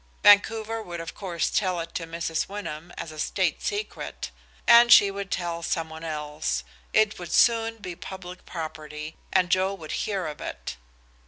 Vancouver would of course tell it to Mrs. Wyndham as a state secret, and she would tell some one else it would soon be public property, and Joe would hear of it.